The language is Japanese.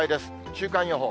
週間予報。